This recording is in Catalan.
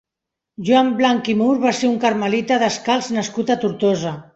Joan Blanc i Mur va ser un carmelita descalç nascut a Tortosa.